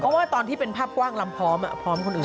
เพราะว่าตอนที่เป็นภาพกว้างลำพร้อมพร้อมคนอื่น